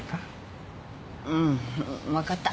うん分かった。